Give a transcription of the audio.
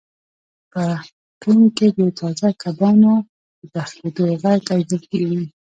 په پین کې د تازه کبانو د پخیدو غږ اوریدل کیږي